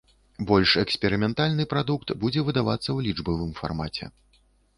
Больш эксперыментальны прадукт будзе выдавацца ў лічбавым фармаце.